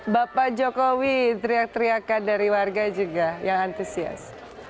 bapak jokowi teriak teriakan dari warga juga yang antusias